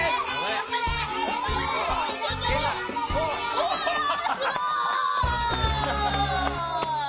おすごい！